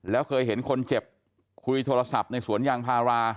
แล้วเคยเห็นคนเจ็บคุยโทรศัพท์ในสวนยางพารา